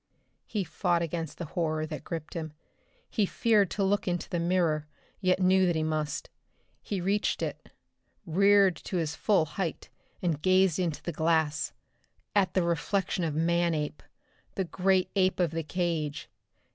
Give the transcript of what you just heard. He fought against the horror that gripped him. He feared to look into the mirror, yet knew that he must. He reached it, reared to his full height, and gazed into the glass at the reflection of Manape, the great ape of the cage!